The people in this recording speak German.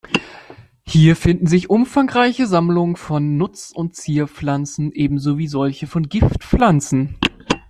Hier finden sich umfangreiche Sammlungen von Nutz- und Zierpflanzen ebenso wie solche von Giftpflanzen.